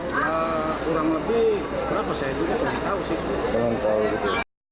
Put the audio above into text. kurang lebih berapa saya juga belum tahu sih